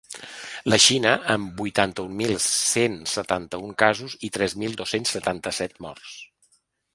La Xina, amb vuitanta-un mil cent setanta-un casos i tres mil dos-cents setanta-set morts.